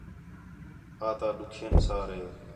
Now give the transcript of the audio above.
آتا ݙُکھین سارے